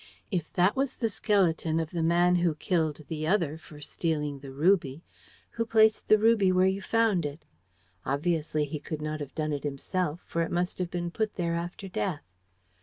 "If that was the skeleton of the man who killed the other for stealing the ruby, who placed the ruby where you found it? Obviously, he could not have done it himself, for it must have been put there after death.